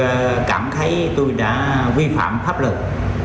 tôi cảm thấy tôi đã vi phạm pháp luật